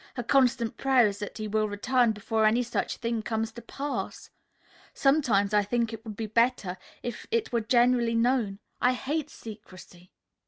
Her constant prayer is that he will return before any such thing comes to pass. Sometimes I think it would be better if it were generally known. I hate secrecy."